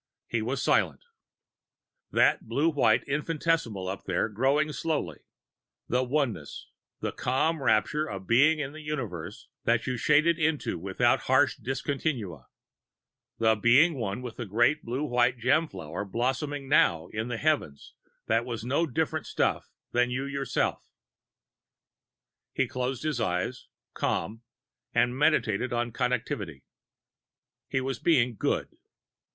He was silent. That blue white infinitesimal up there growing slowly the oneness, the calm rapture of Being in a universe that you shaded into without harsh discontinua, the being one with the great blue white gem flower blossoming now in the heavens that were no different stuff than you yourself He closed his eyes, calm, and meditated on Connectivity. He was being Good.